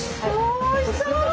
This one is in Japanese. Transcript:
おいしそう！